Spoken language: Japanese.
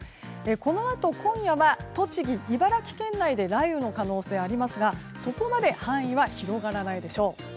このあと、今夜は栃木、茨城県内で雷雨の可能性がありますがそこまで範囲は広がらないでしょう。